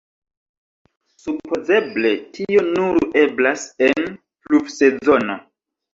Supozeble tio nur eblas en la pluvsezono.